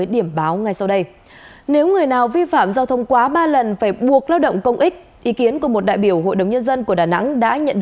để bơm trực tiếp chữa cháy